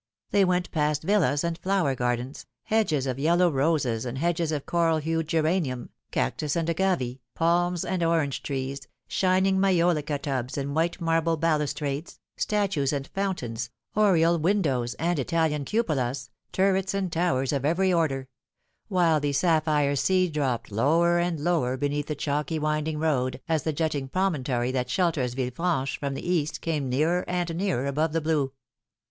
They went past villas and flower gardens, hedges of yellow roses and hedges of coral hued geranium, cactus and agave, palms and orange trees, shin ing majolica tubs and white marble balustrades, statues and fountains, oriel windows and Italian cupolas, turrets and towers of every order ; while the sapphire sea dropped lower and lower beneath the chalky winding road, as the jutting promontory that shelters Villefranche from the east came nearer and nearer above the blue.